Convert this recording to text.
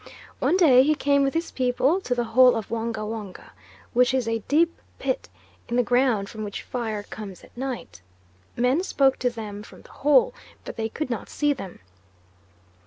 One day he came with his people to the Hole of Wonga Wonga, which is a deep pit in the ground from which fire comes at night. Men spoke to them from the Hole, but they could not see them.